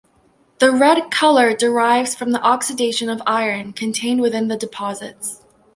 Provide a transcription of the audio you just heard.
The red color derives from the oxidation of iron contained within the deposits.